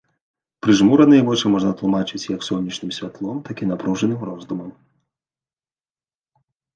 Прыжмураныя вочы можна тлумачацца як сонечным святлом, так і напружаным роздумам.